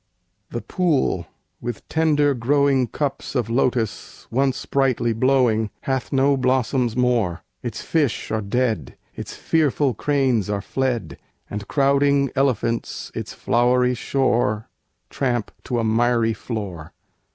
The pool, with tender growing cups of lotus Once brightly blowing, hath no blossoms more! Its fish are dead, its fearful cranes are fled, And crowding elephants its flowery shore Tramp to a miry floor.